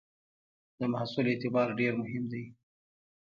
د محصول اعتبار ډېر مهم دی.